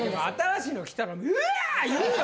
言うよ。